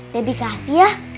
debbie kasih ya